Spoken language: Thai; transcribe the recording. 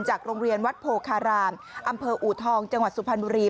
โรงเรียนวัดโพคารามอำเภออูทองจังหวัดสุพรรณบุรี